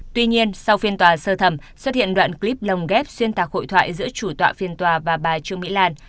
tuy nhiên sau phiên tòa sơ thẩm xuất hiện đoạn clip lồng ghép xuyên tạc hội thoại giữa chủ tọa phiên tòa và bà trương mỹ lan